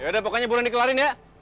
yaudah pokoknya bulan dikelarin ya